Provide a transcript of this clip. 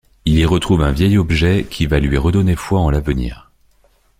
Il y retrouve un vieil objet, qui va lui redonner foi en l'avenir.